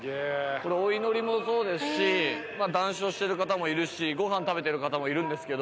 お祈りもそうですし談笑してる方もいるしごはん食べてる方もいるんですけど。